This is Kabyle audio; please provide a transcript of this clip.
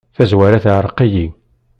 Tazwara teɛreq-iyi.